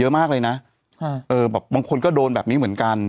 เยอะมากเลยนะเออแบบบางคนก็โดนแบบนี้เหมือนกัน